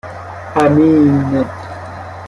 امین